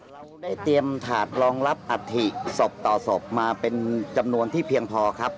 เราได้เตรียมถาดรองรับอัฐิศพต่อศพมาเป็นจำนวนที่เพียงพอครับ